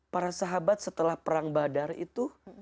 para sahabat setelah perang badar itu